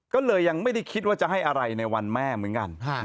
ก็เลยยังไม่ได้คิดว่าจะให้อะไรในวันแม่เหมือนกัน